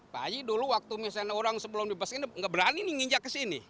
pak haji dulu waktu misalnya orang sebelum dibebaskan nggak berani nih nginjak ke sini